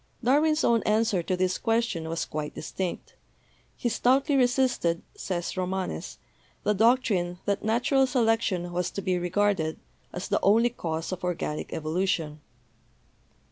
Darwin's own answer to this question was quite distinct. ''He stoutly resisted/' says Romanes, "the doctrine that natural selection was to be regarded as the only cause of organic evolution."